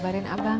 belum bisa bang